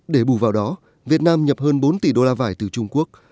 để bù vào đó việt nam nhập hơn bốn tỷ đô la vải từ trung quốc